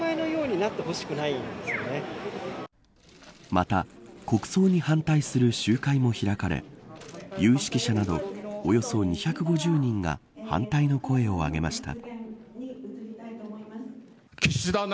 また国葬に反対する集会も開かれ有識者など、およそ２５０人が反対の声を上げました。